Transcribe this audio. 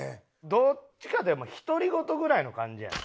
どっちかといえば独り言ぐらいの感じやねん。